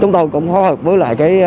chúng tôi cũng phối hợp với lại